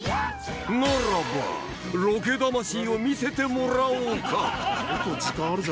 ならばロケ魂を見せてもらおうかあっ！